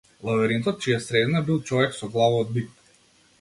Лавиринтот чија средина бил човек со глава од бик.